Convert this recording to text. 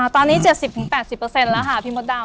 ตอนนี้๗๐๘๐แล้วค่ะพี่มดดำ